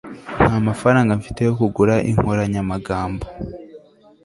ntamafaranga mfite yo kugura inkoranyamagambo